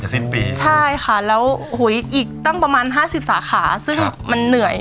สิ้นปีใช่ค่ะแล้วอีกตั้งประมาณห้าสิบสาขาซึ่งมันเหนื่อย